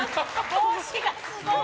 帽子がすごい。